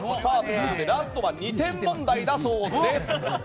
ラストは２点問題だそうです。